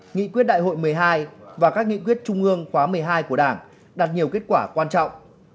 nghị quyết đại hội một mươi hai và các nghị quyết trung ương khóa một mươi hai của đảng đạt nhiều kết quả quan trọng